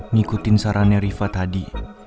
ngikutin sarannya rifa tadi